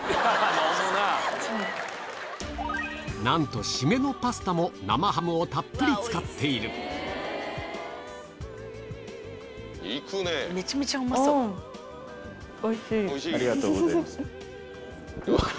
なんと締めのパスタも生ハムをたっぷり使っているあ！